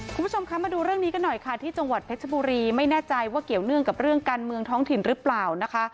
คุณผู้ชมคะมาดูเรื่องนี้กันหน่อยค่ะที่จังหวัดเพชรบุรีไม่แน่ใจว่าเกี่ยวเนื่องกับเรื่องการเมืองท้องถิ่นหรือเปล่านะคะ